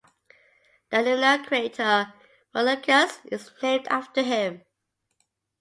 The lunar crater Maurolycus is named after him.